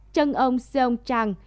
trân ông seong chang